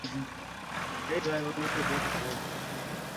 ভরাপালের নৌকা চড়ার ঠেকিয়া গেল–মহেন্দ্র স্তম্ভিত হইয়া দাঁড়াইল।